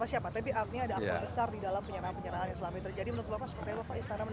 seperti apa pak istana menurut bapak